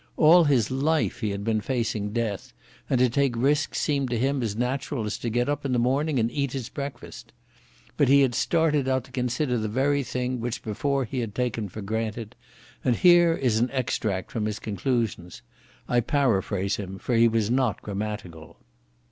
All his life he had been facing death, and to take risks seemed to him as natural as to get up in the morning and eat his breakfast. But he had started out to consider the very thing which before he had taken for granted, and here is an extract from his conclusions. I paraphrase him, for he was not grammatical.